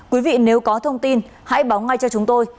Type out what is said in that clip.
quý vị nếu có thông tin hãy báo ngay cho chúng tôi